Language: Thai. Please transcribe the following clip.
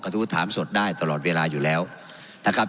ทูตถามสดได้ตลอดเวลาอยู่แล้วนะครับ